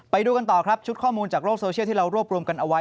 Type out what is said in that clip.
ไปดูกันต่อครับชุดข้อมูลจากโลกโซเชียลที่เรารวบรวมกันเอาไว้